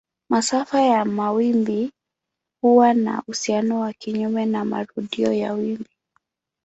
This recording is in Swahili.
Masafa ya mawimbi huwa na uhusiano wa kinyume na marudio ya wimbi.